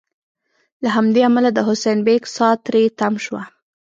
له همدې امله د حسین بېګ سا تری تم شوه.